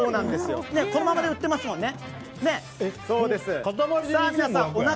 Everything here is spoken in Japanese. このままで売ってますもんね